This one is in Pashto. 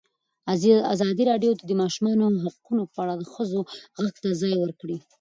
ازادي راډیو د د ماشومانو حقونه په اړه د ښځو غږ ته ځای ورکړی.